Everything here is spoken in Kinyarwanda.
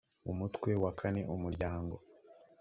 umutwe wa kane umuryango